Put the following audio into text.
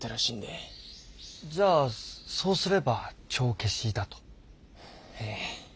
じゃあそうすれば帳消しだと？ええ。